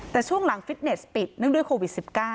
แต่ช่วงหลังฟิตเนสปิดเนื่องด้วยโควิด๑๙